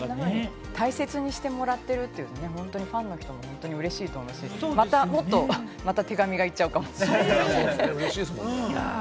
大切にしてもらってるというのはファンの方は本当にうれしいと思うし、もっと手紙がいっちゃうかもしれないですね。